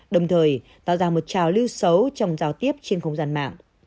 đồng thời tạo ra một trào lưu xấu trong giao tiếp trên không gian mạng